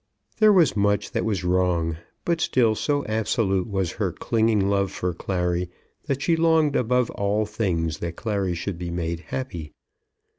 There was much that was wrong; but still so absolute was her clinging love for Clary that she longed above all things that Clary should be made happy.